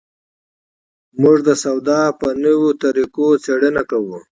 موږ د سودا په نویو مېتودونو څېړنه کوو.